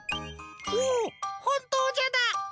おおっほんとうじゃだ。